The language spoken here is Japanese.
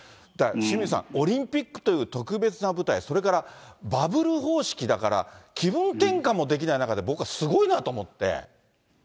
だから清水さん、オリンピックという特別な舞台、それからバブル方式だから気分転換もできない中で僕はすごいなと思って。